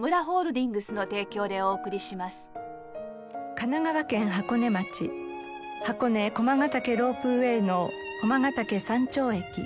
神奈川県箱根町箱根駒ヶ岳ロープウェーの駒ヶ岳山頂駅。